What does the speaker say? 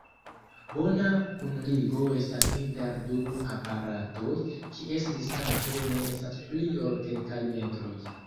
Bona kunligo estas inter du aparatoj, kies distanco ne estas pli ol kelkaj metroj.